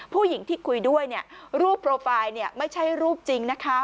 ผู้หญิงที่คุยด้วยรูปโปรไฟล์ไม่ใช่รูปจริงนะคะ